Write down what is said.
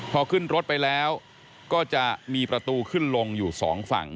พอขึ้นรถไปแล้วก็จะมีประตูขึ้นลงอยู่สองฝั่ง